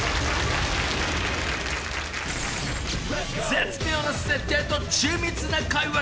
［絶妙な設定と緻密な会話劇］